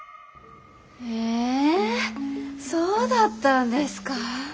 えそうだったんですかぁ。